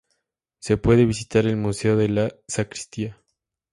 Se puede visitar el Museo de la Sacristía.